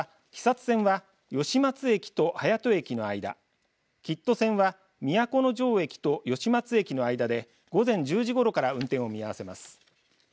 また肥薩線は吉松駅と隼人駅の間吉都線は都城駅と吉松駅の間で午前１０時ごろから運転を見合わせます。